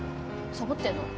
サボってんの？